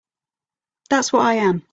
That's what I am.